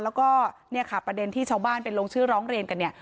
แล้วก็เนี่ยค่ะประเด็นที่ชาวบ้านไปลงชื่อร้องเรียนกันเนี่ย